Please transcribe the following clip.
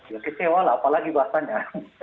ya kecewa lah apalagi bahasanya